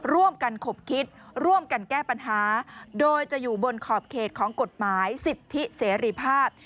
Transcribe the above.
ร่วมกันขบคิดร่วมกันแก้ปัญหาโดยจะอยู่บนขอบเขตของกฎหมายสิทธิเสรีภาพ